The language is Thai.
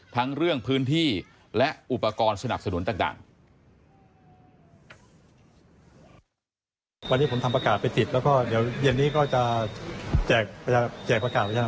ทั้งเรื่องพื้นที่และอุปกรณ์สนับสนุนต่าง